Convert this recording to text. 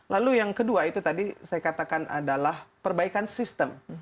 lalu yang kedua itu tadi saya katakan adalah perbaikan sistem